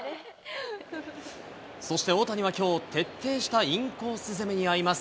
そして大谷はきょう、徹底したインコース攻めにあいます。